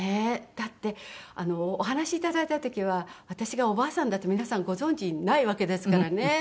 だってお話頂いた時は私がおばあさんだって皆さんご存じないわけですからね。